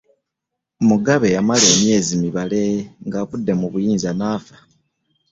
Mugabe yamala emyezi mibale ng'avudde mu buyinza n'afa